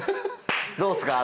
どうっすか？